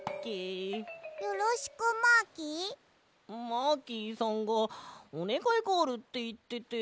マーキーさんがおねがいがあるっていってて。